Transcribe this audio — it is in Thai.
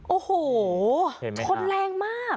โอ้โหคนแรงมาก